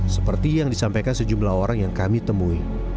seperti yang disampaikan sejumlah orang yang kami temui